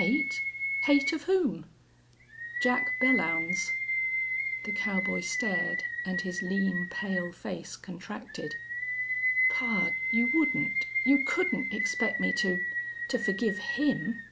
"Hate! Hate of whom?" "Jack Belllounds." The cowboy stared, and his lean, pale face contracted. "Pard, you wouldn't you couldn't expect me to to forgive him?"